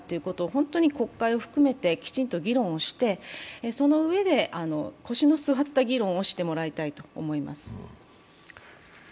本当に国会を含めて、きちんと議論をして、そのうえで、腰の座った議論をしてもらいたいと思います。